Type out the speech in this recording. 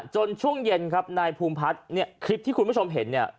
จนช่วงเย็นครับนายภูมิพัฒน์คลิปที่คุณผู้ชมเห็น